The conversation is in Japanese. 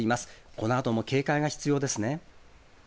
このあとも警戒が必要ですね。